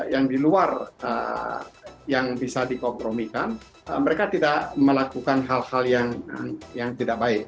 yang di luar yang bisa dikompromikan mereka tidak melakukan hal hal yang tidak baik